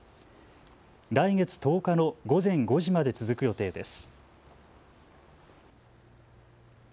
来月１０日の午前５時まで続く予定です。